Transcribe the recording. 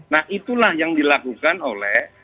nah itulah yang dilakukan oleh